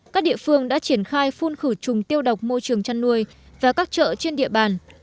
các địa phương đã triển khai phun khử trùng tiêu độc môi trường chăn nuôi và các chợ trên địa bàn